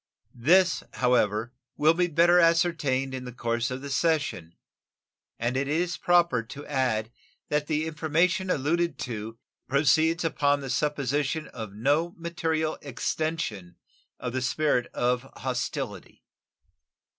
This, however, will be better ascertained in the course of the session, and it is proper to add that the information alluded to proceeds upon the supposition of no material extension of the spirit of hostility.